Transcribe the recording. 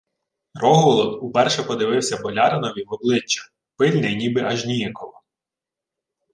Рогволод уперше подививсь боляринові в обличчя пильне й ніби аж ніяково.